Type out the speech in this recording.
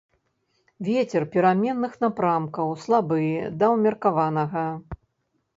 Вецер пераменных напрамкаў слабы да ўмеркаванага.